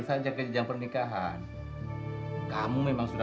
sampai jumpa di video selanjutnya